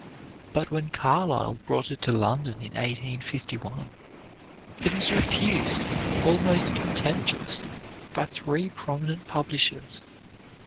But when Carlyle brought it to London in 1851, it was refused almost contemptuously by three prominent publishers.